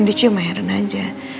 dia cuma heran aja